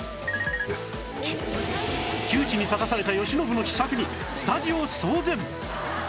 窮地に立たされた慶喜の秘策にスタジオ騒然！